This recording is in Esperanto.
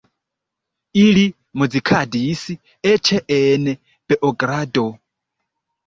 Ili muzikadis eĉ en Beogrado.